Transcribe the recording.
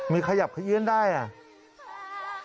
มีขยับเขี้ยนได้อ่ะ